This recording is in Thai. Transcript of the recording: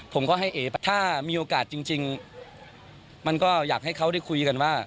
ผมก็ให้เอ๋ถ้ามีโอกาสจริงมันก็อยากให้เขาได้คุยกันว่า